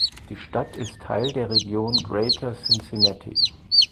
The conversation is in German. Die Stadt ist Teil der Region Greater Cincinnati.